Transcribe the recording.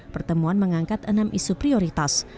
pertemuan mengangkat enam isu prioritas